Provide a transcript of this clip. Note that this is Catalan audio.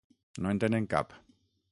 No en tenen cap.